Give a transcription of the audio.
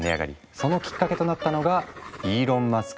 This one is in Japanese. そのきっかけとなったのがイーロン・マスク